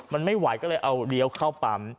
มันไม่ไหวก็เลยเอาเลี้ยวเข้าปั๊ม